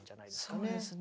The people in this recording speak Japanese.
そうですね。